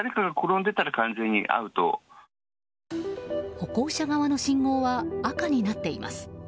歩行者側の信号は赤になっています。